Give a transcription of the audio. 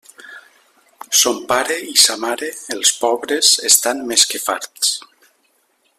Son pare i sa mare, els pobres, estan més que farts.